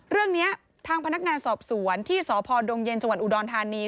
เรื่องนี้ทางพนักงานสอบสวนที่สพดงเย็นจังหวัดอุดรธานี